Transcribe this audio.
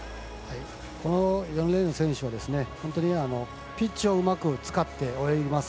４レーンの選手はピッチをうまく使って泳ぎます。